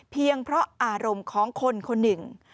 เพราะอารมณ์ของคนคนหนึ่ง